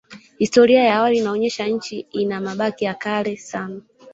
Historia ya awali inaonyesha Nchi ina mabaki ya kale sana